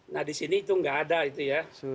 nah di sini itu nggak ada itu ya